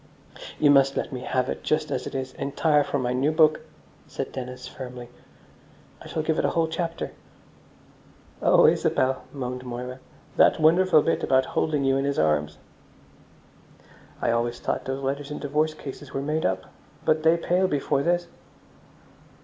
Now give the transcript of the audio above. "You must let me have it just as it is, entire, for my new book," said Dennis firmly. "I shall give it a whole chapter." "Oh, Isabel," moaned Moira, "that wonderful bit about holding you in his arms!" "I always thought those letters in divorce cases were made up. But they pale before this."